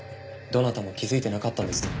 どなたも気づいてなかったんですね。